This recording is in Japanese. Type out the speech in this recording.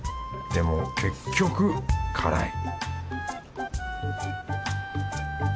でも結局辛い